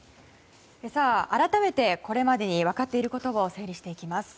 改めてこれまでに分かっていることを整理していきます。